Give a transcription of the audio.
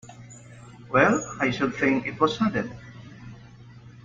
Well I should think it was sudden!